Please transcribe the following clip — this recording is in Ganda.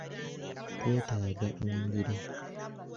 Twetaaga omuliro.